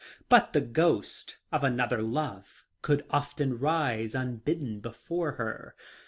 But the ghost of another love would often rise unbidden before her.